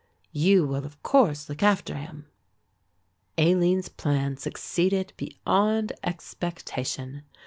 You will of course look after him." Aline's plan succeeded beyond expectation.